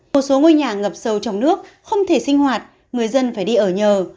một số ngôi nhà ngập sâu trong nước không thể sinh hoạt người dân phải đi ở nhờ